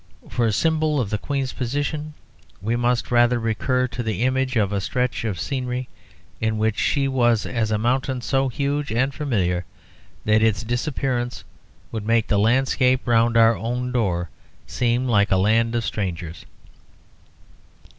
For a symbol of the Queen's position we must rather recur to the image of a stretch of scenery, in which she was as a mountain so huge and familiar that its disappearance would make the landscape round our own door seem like a land of strangers.